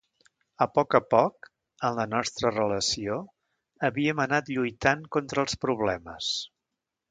A poc a poc, en la nostra relació, havíem anat lluitant contra els problemes.